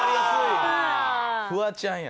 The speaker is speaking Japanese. フワちゃんや。